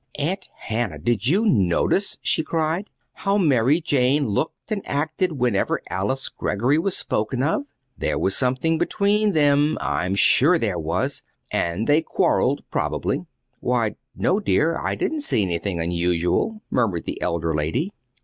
"Aunt Hannah, did you notice?" she cried, "how Mary Jane looked and acted whenever Alice Greggory was spoken of? There was something between them I'm sure there was; and they quarrelled, probably." "Why, no, dear; I didn't see anything unusual," murmured the elder lady.